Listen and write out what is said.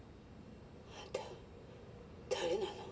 あんた誰なの？